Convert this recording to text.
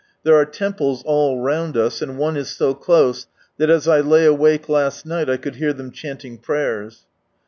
There are temples all round us, and one is so close, that as I lay awake last niglit, I could hear them chanting prayers.